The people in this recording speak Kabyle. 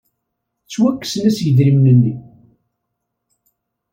Ttwakksen-as yidrimen-nni.